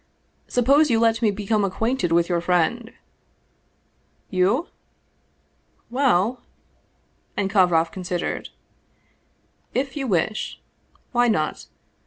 Suppose you let me become acquainted with your friend." "You? Well" And Kovroff considered; "if you wish. Why not